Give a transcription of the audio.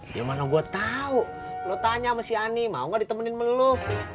gimana gue tahu lo tanya sama si ani mau gak ditemenin sama lo